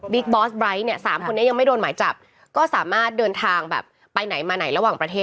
บอสไบร์ทเนี่ย๓คนนี้ยังไม่โดนหมายจับก็สามารถเดินทางแบบไปไหนมาไหนระหว่างประเทศ